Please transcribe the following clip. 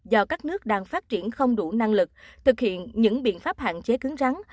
do các nước đang phát triển không đủ năng lực thực hiện những biện pháp hạn chế cứng rắn